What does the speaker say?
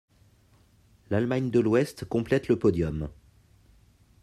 L'Allemagne de l'Ouest complète le podium.